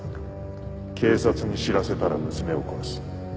警察に知らせたら娘を殺す。